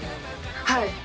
はい！